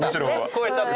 超えちゃった。